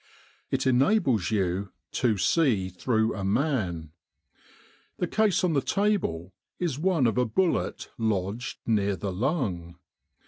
It enables you to see through a man. The case on the table is one of a bullet lodged near the lung.